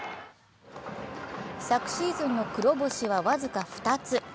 昨シーズンの黒星は僅か２つ。